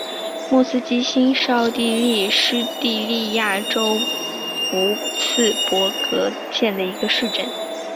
莫斯基兴是奥地利施蒂利亚州沃茨伯格县的一个市镇。